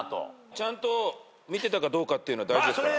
ちゃんと見てたかどうかっていうの大事ですから。